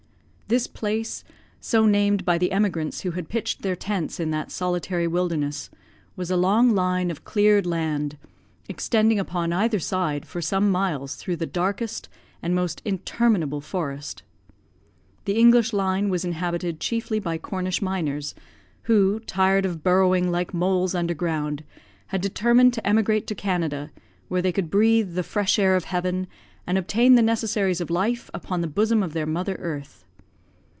This place, so named by the emigrants who had pitched their tents in that solitary wilderness, was a long line of cleared land, extending upon either side for some miles through the darkest and most interminable forest. The English Line was inhabited chiefly by Cornish miners, who, tired of burrowing like moles underground, had determined to emigrate to Canada, where they could breathe the fresh air of Heaven, and obtain the necessaries of life upon the bosom of their mother earth.